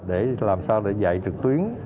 để làm sao để dạy trực tuyến